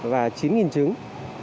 và chín trứng